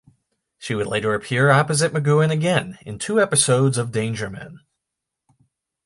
She would later appear opposite McGoohan again, in two episodes of "Danger Man".